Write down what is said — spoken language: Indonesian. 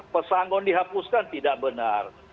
pesanggon dihapuskan tidak benar